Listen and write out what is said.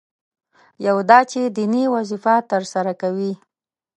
یو دا چې دیني وظیفه ترسره کوي.